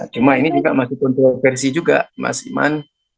cuma ini juga masih kontroversi juga mas iman